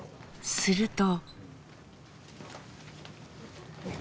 すると。